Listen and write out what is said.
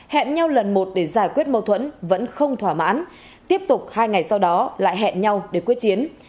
hẹn nhau lần một để giải quyết mâu thuẫn vẫn không thỏa mãn tiếp tục hai ngày sau đó lại hẹn nhau để quyết chiến